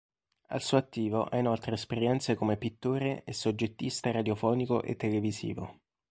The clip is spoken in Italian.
Al suo attivo ha inoltre esperienze come pittore e soggettista radiofonico e televisivo.